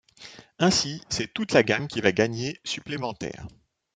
Ainsi, c'est toute la gamme qui va gagner supplémentaires.